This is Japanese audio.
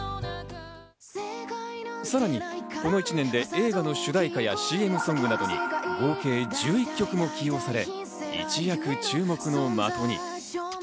さらにこの１年で映画の主題歌やＣＭソングなどに合計１１曲も起用され一躍注目の的に。